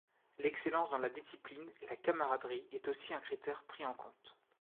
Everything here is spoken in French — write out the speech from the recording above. L'excellence dans la discipline et la camaraderie est aussi un critère pris en compte.